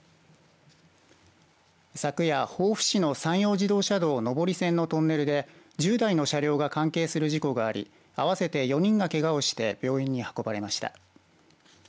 昨夜、防府市の山陽自動車道上り線のトンネルで１０台の車両が関係する事故があり合わせて４人がけがをして病院に運ばれました。